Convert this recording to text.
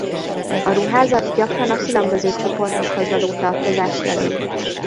A ruházat gyakran a különböző csoportokhoz való tartozást jelöli.